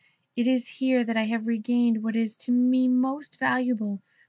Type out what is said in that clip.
It is here that I have regained what is to me most valuable.